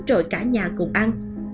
rồi cả nhà cùng ăn